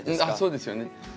あっそうですよね。